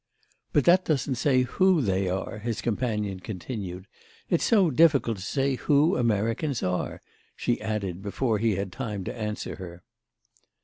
"But that doesn't say who they are," his companion continued. "It's so difficult to say who Americans are," she added before he had time to answer her.